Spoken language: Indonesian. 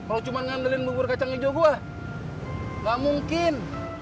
kalau cuma ngandelin bubur kacang hijau gue gak mungkin